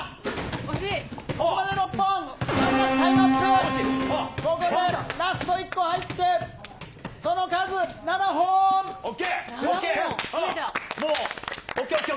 ここでラスト１本入って、その数７本。ＯＫ。